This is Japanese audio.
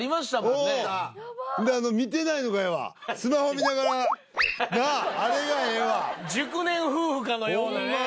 あの見てないのがええわスマホ見ながらなああれがええわ熟年夫婦かのようなねホンマ